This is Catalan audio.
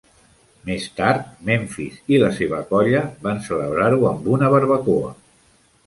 Més tard, Memphis i la seva colla van celebrar-ho amb una barbacoa.